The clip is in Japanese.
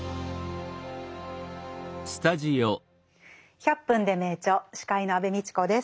「１００分ｄｅ名著」司会の安部みちこです。